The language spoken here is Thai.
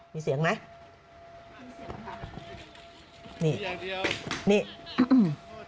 มีเสียงไหม